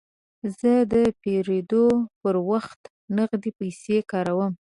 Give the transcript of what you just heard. زه د پیرود پر وخت نغدې پیسې کاروم.